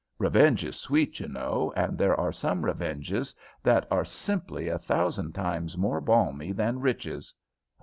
Revenge is sweet, you know, and there are some revenges that are simply a thousand times more balmy than riches."